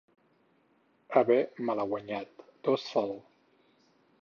Haver malaguanyat, tost fall.